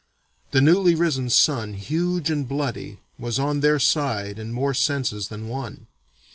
The newly risen sun, huge and bloody, was on their side in more senses than one.